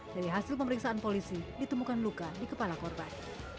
dari hasil pemeriksaan polisi ditemukan luka di kepala korban